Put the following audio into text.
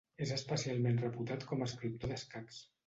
És especialment reputat com a escriptor d'escacs.